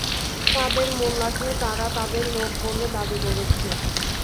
কাদের মোল্লাকে তারা তাদের লোক বলে দাবি করেছে।